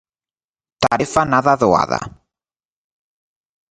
Tarefa nada doada.